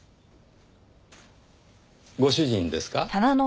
ご主人ですか？